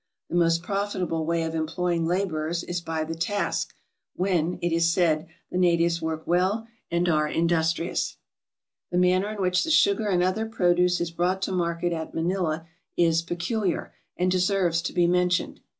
The most profitable way of employing laborers is by the task, when, it is said, the natives work well, and are industrious. The manner in which the sugar and other produce is brought to market at Manila is peculiar, and deserves to be mentioned.